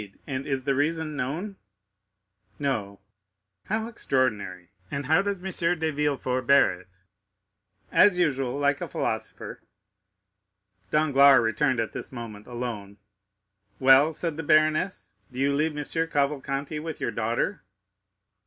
And is the reason known?" "No." "How extraordinary! And how does M. de Villefort bear it?" "As usual. Like a philosopher." Danglars returned at this moment alone. "Well," said the baroness, "do you leave M. Cavalcanti with your daughter?"